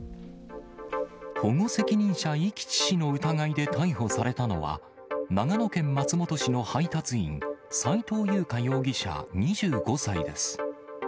保護責任者遺棄致死の疑いで逮捕されたのは、長野県松本市の配達員、斉藤優花容疑者２５歳です。